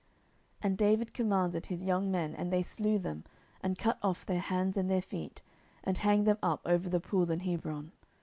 10:004:012 And David commanded his young men, and they slew them, and cut off their hands and their feet, and hanged them up over the pool in Hebron.